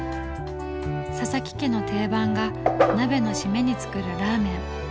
佐々木家の定番が鍋のシメに作るラーメン。